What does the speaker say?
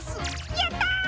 やった！